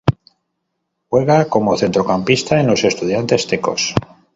Juega como Centrocampista en los Estudiantes Tecos.